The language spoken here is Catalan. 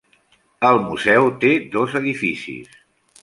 El museu té dos edificis.